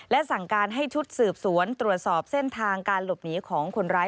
และสั่งการให้ชุดสืบสวนตรวจสอบเส้นทางการหลบหนีของคนร้าย